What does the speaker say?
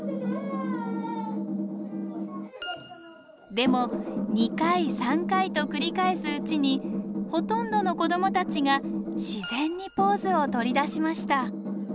でも２回３回と繰り返すうちにほとんどの子どもたちが自然にポーズをとりだしました。